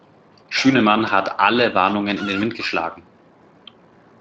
Schünemann hat alle Warnungen in den Wind geschlagen.